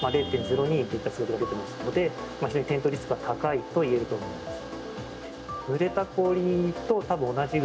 ０．０２といった数字が出ていますので非常に転倒リスクが高いと言えると思います。